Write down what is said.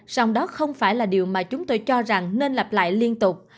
song đó không phải là điều mà chúng tôi cho rằng nên lặp lại liên tục